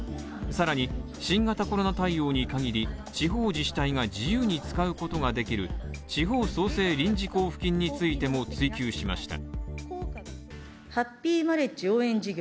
さらに、新型コロナ対応に限り、地方自治体が自由に使うことができる地方創生臨時交付金についても追及しました。